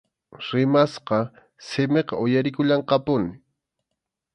Rimasqa simiqa uyarikullanqapuni.